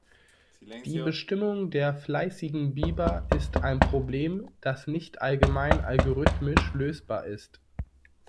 Die Bestimmung der fleißigen Biber ist ein Problem, das nicht allgemein algorithmisch lösbar ist.